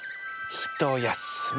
ひとやすみと。